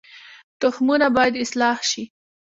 تخمونه باید اصلاح شي